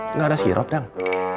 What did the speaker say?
tidak ada sirop dong